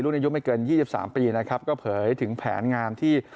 อายุไม่เกิน๒๓ปีนะครับก็เผยถึงแผนงานที่